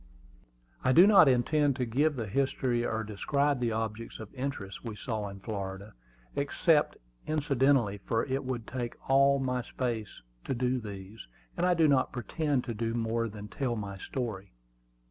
I do not intend to give the history or describe the objects of interest we saw in Florida, except incidentally, for it would take all my space to do these, and I do not pretend to do much more than tell my story.